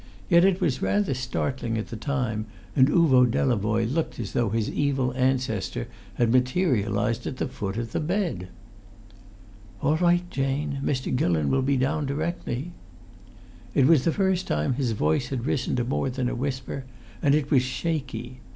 Yet it was rather startling at the time, and Uvo Delavoye looked as though his evil ancestor had materialised at the foot of the bed. "All right, Jane! Mr. Gillon will be down directly." It was the first time his voice had risen to more than a whisper, and it was shaky.